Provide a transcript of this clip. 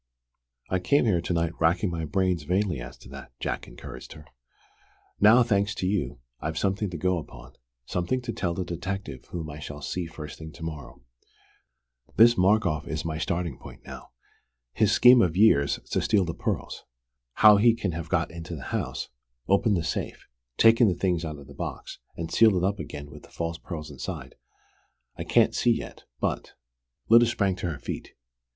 "I came here to night racking my brains vainly as to that," Jack encouraged her. "Now, thanks to you, I've something to go upon, something to tell the detective whom I shall see first thing to morrow. This Markoff is my starting point now: his scheme of years to steal the pearls. How he can have got into the house, opened the safe, taken the things out of the box, and sealed it up again with the false pearls inside, I can't see yet, but " Lyda sprang to her feet.